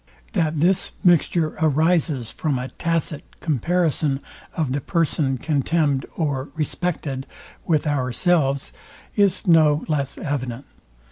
That this mixture arises from a tacit comparison of the person contemned or respected with ourselves is no less evident.